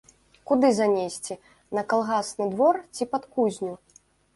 Куды занесці, на калгасны двор ці пад кузню?